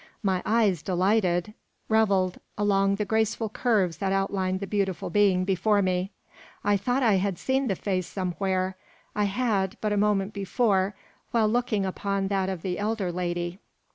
My eyes, delighted, revelled along the graceful curves that outlined the beautiful being before me. I thought I had seen the face somewhere. I had, but a moment before, while looking upon that of the elder lady.